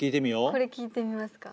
これ聴いてみますか？